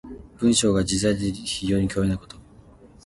文章が自在で非常に巧妙なこと。